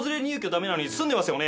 駄目なのに住んでますよね？